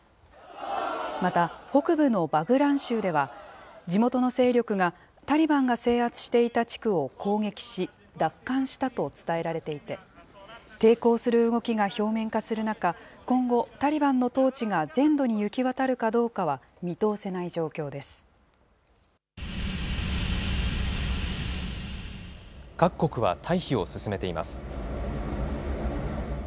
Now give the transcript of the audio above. また、北部のバグラン州では地元の勢力がタリバンが制圧していた地区を攻撃し、奪還したと伝えられていて、抵抗する動きが表面化する中、今後、タリバンの統治が全土に行き渡るかどうかは見通せない状況各国は退避を進めています。